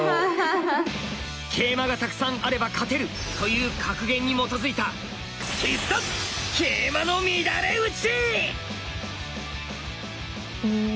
桂馬がたくさんあれば勝てるという格言に基づいた必殺うん。